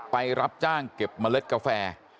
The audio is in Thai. รับจ้างเก็บเมล็ดกาแฟ